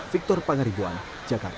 victor pangaribuan jakarta